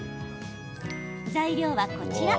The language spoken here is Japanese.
材料は、こちら。